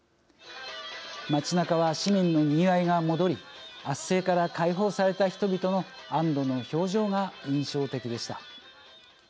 街なかは市民の賑わいが戻り圧政から解放された人々の安どの表情が印象的でした。